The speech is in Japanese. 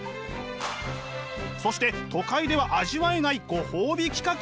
そして都会では味わえないご褒美企画も。